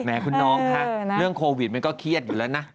คุณน้องคะเรื่องโควิดมันก็เครียดอยู่แล้วนะ